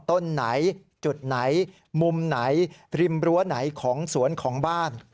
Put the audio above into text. ต้นไหนจุดไหนมุมไหนริมรั้วไหนของสวนของบ้าน